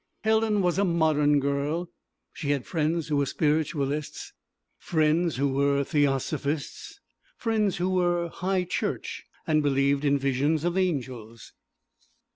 Helen was a modern girl; she had friends who were spiritualists, friends who were theosophists, friends who were 'high church' and believed in visions of angels.